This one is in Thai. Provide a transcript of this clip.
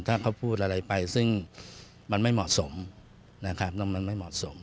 ถ้าเขาพูดอะไรไปซึ่งมันไม่เหมาะสม